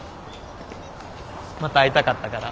また会いたかったから。